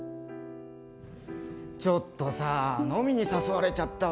ちょっとさー、飲みに誘われちゃったわ。